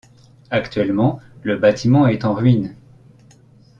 Actuellement, le bâtiment est en ruine.